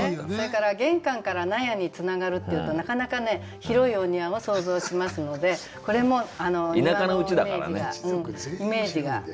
それから「玄関から納屋につながる」っていうとなかなかね広いお庭を想像しますのでこれも庭のイメージが。